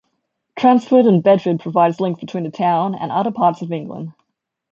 Transport in Bedford provides links between the town and other parts of England.